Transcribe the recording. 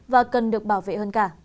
và cần được bảo vệ hơn cả